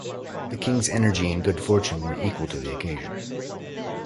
The king's energy and good fortune were equal to the occasion.